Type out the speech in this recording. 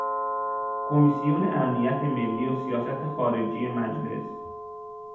کمیسیون امنیت ملی و سیاست خارجهی مجلس